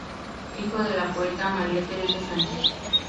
Hijo de la poeta María Teresa Sánchez.